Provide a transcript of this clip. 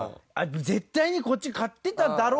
絶対にこっち勝ってただろうとか。